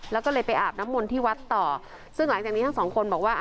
แล้วก็เลยไปอาบน้ำมนต์ที่วัดต่อซึ่งหลังจากนี้ทั้งสองคนบอกว่า